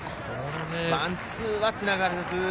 ワンツーはつながらず。